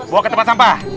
buang ke tempat sampah